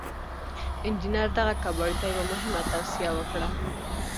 انجنير دغه کباړي ته يوه مهمه توصيه وکړه.